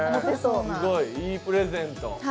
これはいいプレゼント。